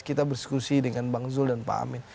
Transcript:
kita berdiskusi dengan bang zul dan pak amin